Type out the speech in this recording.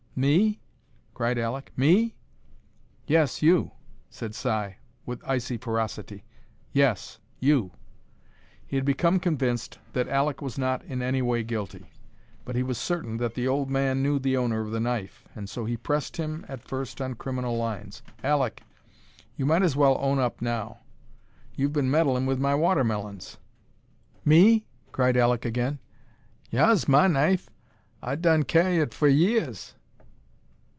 "Me?" cried Alek. "Me?" "Yes you!" said Si, with icy ferocity. "Yes you!" He had become convinced that Alek was not in any way guilty, but he was certain that the old man knew the owner of the knife, and so he pressed him at first on criminal lines. "Alek, you might as well own up now. You've been meddlin' with my watermelons!" "Me?" cried Alek again. "Yah's ma knife. I done cah'e it foh yeahs."